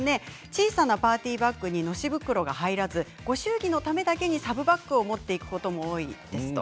小さなパーティーバッグにご祝儀が入らずご祝儀のためだけにサブバッグを持っていくことも多いです。